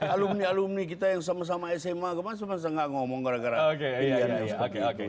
alumni alumni kita yang sama sama sma kemasan masa gak ngomong gara gara pilihan yang seperti itu